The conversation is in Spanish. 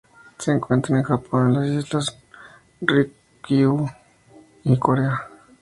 Se encuentra en Japón, las islas Ryukyu y Corea.